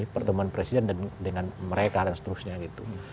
pertemuan presiden dengan mereka dan seterusnya gitu